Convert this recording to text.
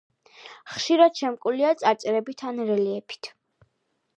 ხშირად შემკულია წარწერებით ან რელიეფით.